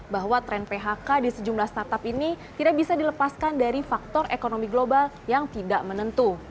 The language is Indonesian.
bahwa tren phk di sejumlah startup ini tidak bisa dilepaskan dari faktor ekonomi global yang tidak menentu